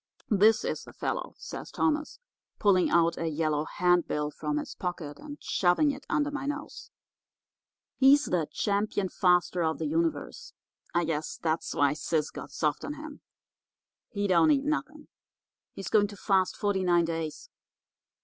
"'This is the fellow,' says Thomas, pulling out a yellow handbill from his pocket and shoving it under my nose. 'He's the Champion Faster of the Universe. I guess that's why Sis got soft on him. He don't eat nothing. He's going to fast forty nine days.